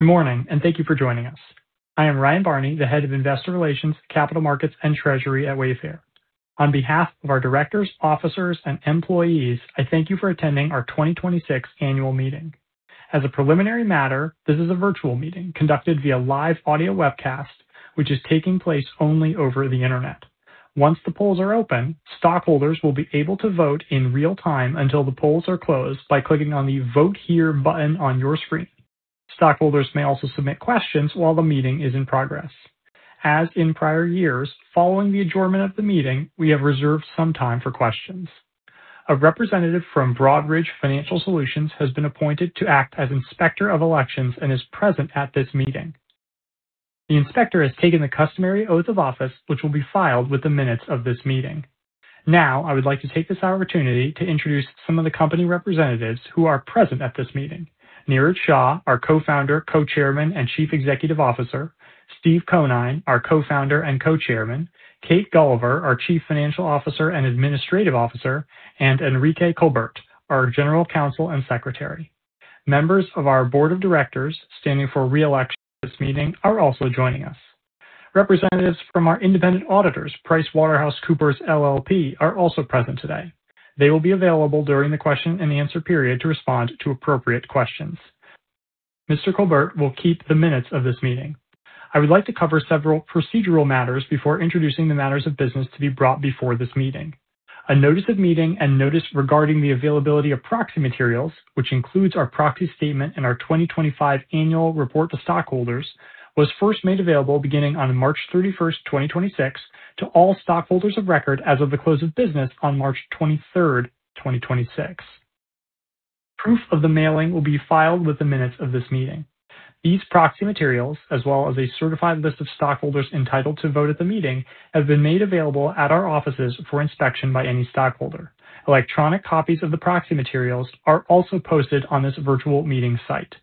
Good morning, and thank you for joining us. I am Ryan Barney, the Head of Investor Relations, Capital Markets, and Treasury at Wayfair. On behalf of our directors, officers, and employees, I thank you for attending our 2026 annual meeting. As a preliminary matter, this is a virtual meeting conducted via live audio webcast, which is taking place only over the internet. Once the polls are open, stockholders will be able to vote in real time until the polls are closed by clicking on the Vote Here button on your screen. Stockholders may also submit questions while the meeting is in progress. As in prior years, following the adjournment of the meeting, we have reserved some time for questions. A representative from Broadridge Financial Solutions has been appointed to act as Inspector of Elections and is present at this meeting. The inspector has taken the customary oath of office, which will be filed with the minutes of this meeting. I would like to take this opportunity to introduce some of the company representatives who are present at this meeting. Niraj Shah, our Co-Founder, Co-Chairman, and Chief Executive Officer. Steven Conine, our Co-Founder and Co-Chairman. Kate Gulliver, our Chief Financial Officer and Administrative Officer, and Enrique Colbert, our General Counsel and Secretary. Members of our board of directors standing for re-election at this meeting are also joining us. Representatives from our independent auditors, PricewaterhouseCoopers LLP, are also present today. They will be available during the question and answer period to respond to appropriate questions. Mr. Colbert will keep the minutes of this meeting. I would like to cover several procedural matters before introducing the matters of business to be brought before this meeting. A notice of meeting and notice regarding the availability of proxy materials, which includes our proxy statement and our 2025 annual report to stockholders, was first made available beginning on March 31st, 2026, to all stockholders of record as of the close of business on March 23rd, 2026. Proof of the mailing will be filed with the minutes of this meeting. These proxy materials, as well as a certified list of stockholders entitled to vote at the meeting, have been made available at our offices for inspection by any stockholder. Electronic copies of the proxy materials are also posted on this virtual meeting site.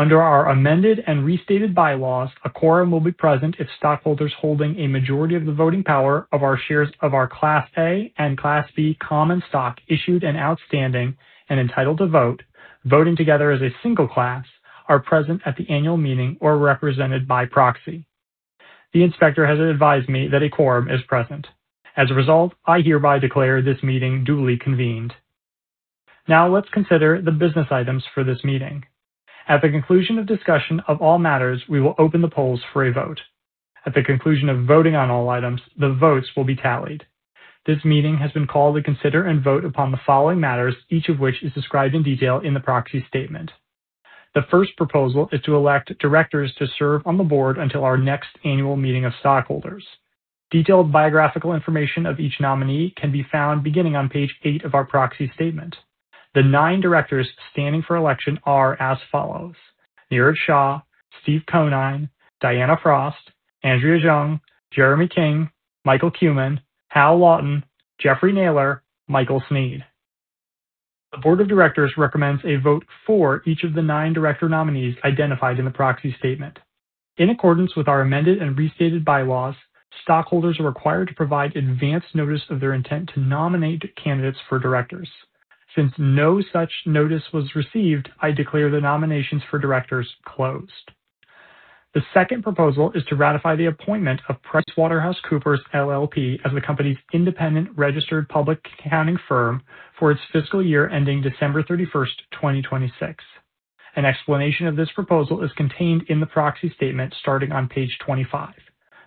Under our amended and restated bylaws, a quorum will be present if stockholders holding a majority of the voting power of our shares of our Class A and Class B common stock issued and outstanding and entitled to vote, voting together as a single class, are present at the annual meeting or represented by proxy. The inspector has advised me that a quorum is present. As a result, I hereby declare this meeting duly convened. Now let's consider the business items for this meeting. At the conclusion of discussion of all matters, we will open the polls for a vote. At the conclusion of voting on all items, the votes will be tallied. This meeting has been called to consider and vote upon the following matters, each of which is described in detail in the proxy statement. The first proposal is to elect directors to serve on the board until our next annual meeting of stockholders. Detailed biographical information of each nominee can be found beginning on page eight of our proxy statement. The nine directors standing for election are as follows: Niraj Shah, Steven Conine, Diana Frost, Andrea Jung, Jeremy King, Michael Kumin, Hal Lawton, Jeffrey Naylor, Michael Sneed. The board of directors recommends a vote for each of the nine director nominees identified in the proxy statement. In accordance with our amended and restated bylaws, stockholders are required to provide advance notice of their intent to nominate candidates for directors. Since no such notice was received, I declare the nominations for directors closed. The second proposal is to ratify the appointment of PricewaterhouseCoopers LLP as the company's independent registered public accounting firm for its fiscal year ending December 31st, 2026. An explanation of this proposal is contained in the proxy statement starting on page 25.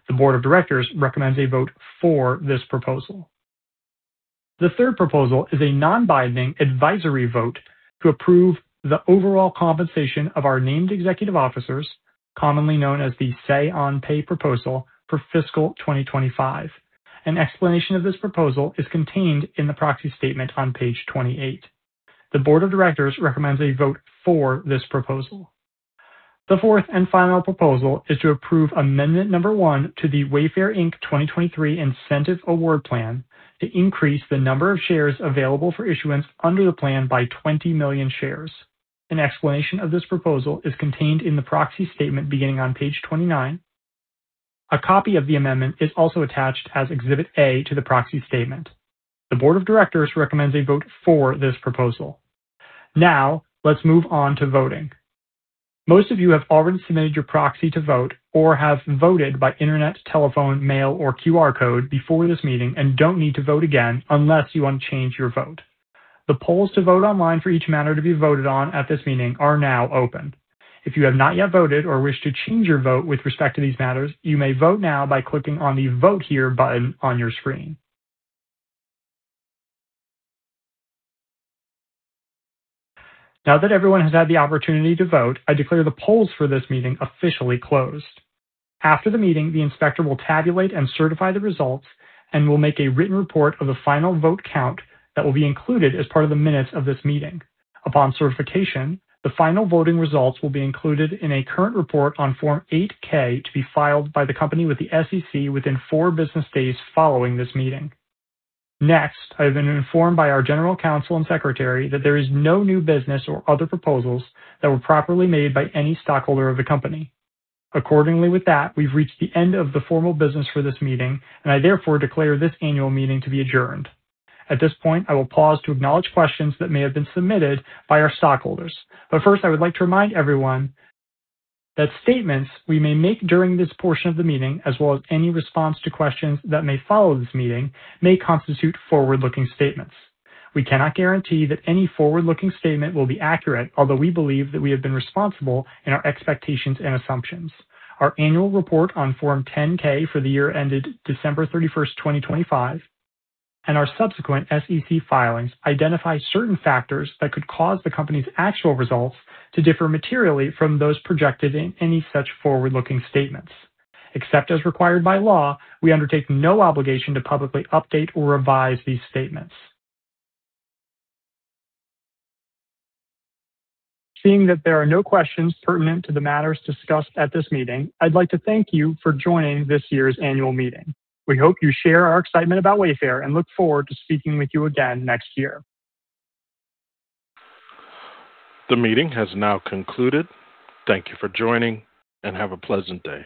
The board of directors recommends a vote for this proposal. The third proposal is a non-binding advisory vote to approve the overall compensation of our named executive officers, commonly known as the Say on Pay proposal for fiscal 2025. An explanation of this proposal is contained in the proxy statement on page 28. The board of directors recommends a vote for this proposal. The fourth and final proposal is to approve amendment number one to the Wayfair Inc. 2023 Incentive Award Plan to increase the number of shares available for issuance under the plan by 20 million shares. An explanation of this proposal is contained in the proxy statement beginning on page 29. A copy of the amendment is also attached as Exhibit A to the proxy statement. The board of directors recommends a vote for this proposal. Now, let's move on to voting. Most of you have already submitted your proxy to vote or have voted by internet, telephone, mail, or QR code before this meeting and don't need to vote again unless you want to change your vote. The polls to vote online for each matter to be voted on at this meeting are now open. If you have not yet voted or wish to change your vote with respect to these matters, you may vote now by clicking on the Vote Here button on your screen. Now that everyone has had the opportunity to vote, I declare the polls for this meeting officially closed. After the meeting, the inspector will tabulate and certify the results and will make a written report of the final vote count that will be included as part of the minutes of this meeting. Upon certification, the final voting results will be included in a current report on Form 8-K to be filed by the company with the SEC within four business days following this meeting. Next, I have been informed by our General Counsel and Secretary that there is no new business or other proposals that were properly made by any stockholder of the company. Accordingly, with that, we've reached the end of the formal business for this meeting, and I therefore declare this annual meeting to be adjourned. At this point, I will pause to acknowledge questions that may have been submitted by our stockholders. First, I would like to remind everyone that statements we may make during this portion of the meeting, as well as any response to questions that may follow this meeting, may constitute forward-looking statements. We cannot guarantee that any forward-looking statement will be accurate, although we believe that we have been responsible in our expectations and assumptions. Our annual report on Form 10-K for the year ended December 31st, 2025, and our subsequent SEC filings identify certain factors that could cause the company's actual results to differ materially from those projected in any such forward-looking statements. Except as required by law, we undertake no obligation to publicly update or revise these statements. Seeing that there are no questions pertinent to the matters discussed at this meeting, I'd like to thank you for joining this year's annual meeting. We hope you share our excitement about Wayfair and look forward to speaking with you again next year. The meeting has now concluded. Thank you for joining, and have a pleasant day.